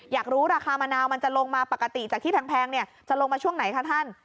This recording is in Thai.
อยากรู้ราคามะนาวมันจะลงมาปกติจากที่แพงจะลงมาช่วงไหนคะท่าน